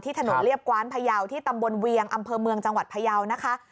ถนนเรียบกว้านพยาวที่ตำบลเวียงอำเภอเมืองจังหวัดพยาวนะคะ